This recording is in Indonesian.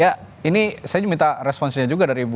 ya ini saya minta responsnya juga dari ibu